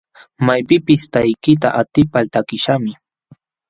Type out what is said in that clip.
Maypipis takiyta atipal takiśhaqmi.